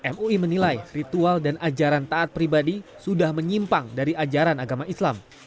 mui menilai ritual dan ajaran taat pribadi sudah menyimpang dari ajaran agama islam